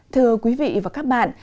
thưa quý vị và các bạn